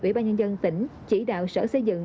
ủy ban nhân dân tỉnh chỉ đạo sở xây dựng